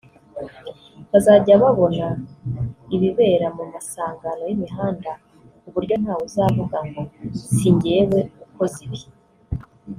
Bazajya babona ibibera mu masangano y’imihanda ku buryo ntawe uzavuga ngo si njyewe ukoze ibi